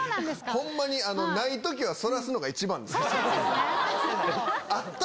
ホンマにない時はそらすのが一番です。